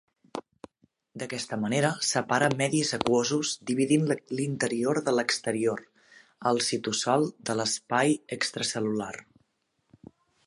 D'aquesta manera, separa medis aquosos dividint l'interior de l'exterior, el citosol de l'espai extracel·lular.